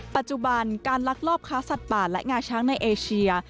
ปัจจุบันการลักลอบค้าสัตว์ป่าและงาช้างในเอเชีย